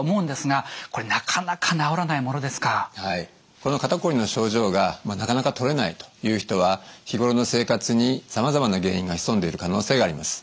この肩こりの症状がなかなか取れないという人は日頃の生活にさまざまな原因が潜んでいる可能性があります。